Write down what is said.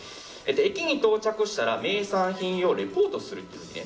駅に到着したら名産品をリポートするんですね。